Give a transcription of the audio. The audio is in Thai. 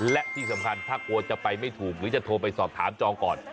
และที่สำคัญถ้ากลัวจะไปไม่ถูกหรือจะโทรไปสอบถามจองก่อน